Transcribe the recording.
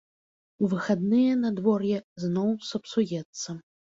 У выхадныя надвор'е зноў сапсуецца.